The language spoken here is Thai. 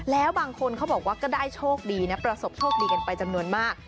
แล้วบางคนเขาบอกว่าก็ได้โชคดีนะประสบโชคดีกันไปจำนวนมาก